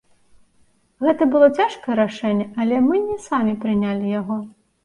Гэта было цяжкае рашэнне, але мы не самі прынялі яго.